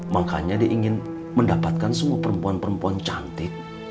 makanya dia ingin mendapatkan semua perempuan perempuan cantik